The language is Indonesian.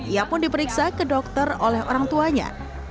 ia pun diperiksa ke dokter oleh orang tuanya